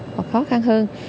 hoặc khó khăn hơn